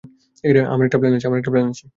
আমার একটা প্ল্যান আছে!